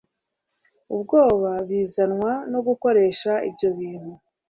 ubwoba bizanwa no gukoresha ibyo bintu?